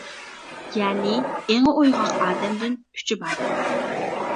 يەنى ئېڭى ئويغاق ئادەمدىن ئۈچى بار.